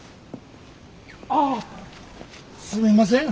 ああっすみません！